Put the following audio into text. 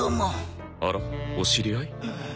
あらお知り合い？